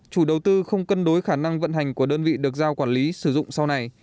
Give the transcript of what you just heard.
chủ đầu tư không cân đối khả năng vận hành của đơn vị được giao quản lý sử dụng sau này